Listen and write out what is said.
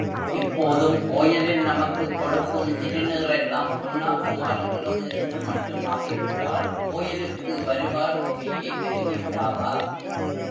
இப்போதும் கோயிலில் நமக்குக் கொடுக்கும் திருநீறெல்லாம் பொன்னாக மாறுகிறது என்று மட்டும் ஆகிவிட்டால் கோயிலுக்கு வருவார் தொகையே பெருகிவிடாதா?.